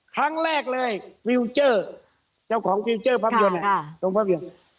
ครั้งแรกเลยเจ้าของภาพยนตร์ค่ะตรงภาพยนตร์